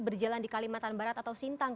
berjalan di kalimantan barat atau sintang